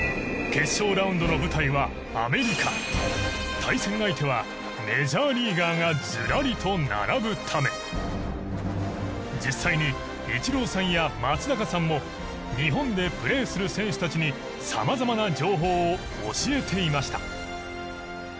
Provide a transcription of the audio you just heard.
対戦相手はメジャーリーガーがずらりと並ぶため実際にイチローさんや松坂さんも日本でプレーする選手たちにさまざまな情報を教えていました。